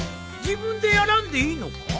自分でやらんでいいのか？